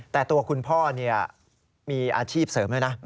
แต่ตัวคุณพ่อมีอาชีพเสริมด้วยนะ